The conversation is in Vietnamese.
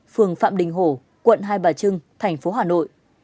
phường phạm đình hổ quận hai bà trưng thành phố hà nội